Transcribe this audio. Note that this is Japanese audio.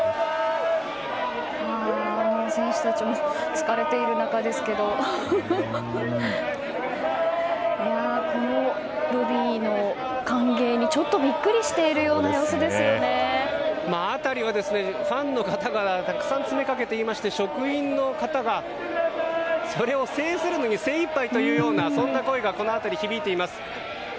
選手たちも疲れている中ですけどこのロビーの歓迎にちょっとビックリしているような辺りはファンの方がたくさん詰めかけていまして職員の方がそれを制するのに精いっぱいというようなそんな声がこの辺り響いています。